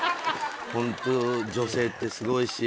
ホント女性ってすごいし。